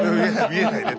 見えないね。